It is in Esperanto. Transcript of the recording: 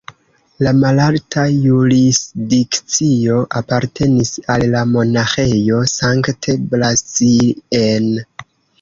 La malalta jurisdikcio apartenis al la Monaĥejo Sankt-Blasien.